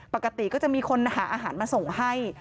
ปกติก็จะมีคนหาอาหารมาส่งให้